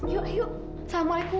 yuk yuk assalamualaikum